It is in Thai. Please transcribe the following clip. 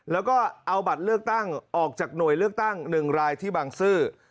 แล้วก็เอาบัตรเลือกตั้งออกจากหน่วยเลือกตั้ง๑รายที่บางซื่อ